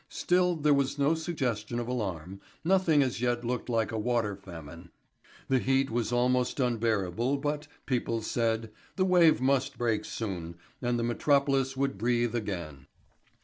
Still, there was no suggestion of alarm, nothing as yet looked like a water famine. The heat was almost unbearable but, people said, the wave must break soon, and the metropolis would breathe again.